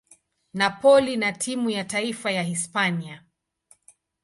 Napoli na timu ya taifa ya Hispania.